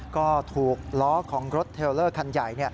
ก็ถูกล้อของรถเทลเลอร์คันใหญ่